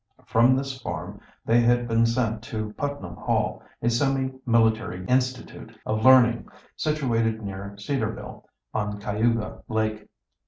From this farm they had been sent to Putnam Hall, a semi military institute of learning situated near Cedarville, on Cayuga Lake.